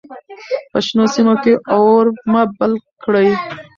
په شنو سیمو کې اور مه بل کړئ.